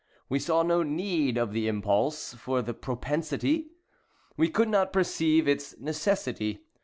We saw no need of the impulse—for the propensity. We could not perceive its necessity.